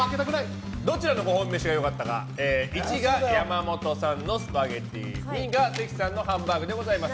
どちらのご褒美飯がよかったか１が山本さんのスパゲティ２が関さんのハンバーグでございます。